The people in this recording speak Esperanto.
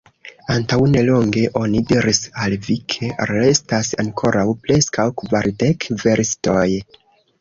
Antaŭnelonge oni diris al vi, ke restas ankoraŭ preskaŭ kvardek verstoj.